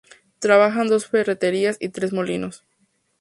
Trabajaban dos ferrerías y tres molinos.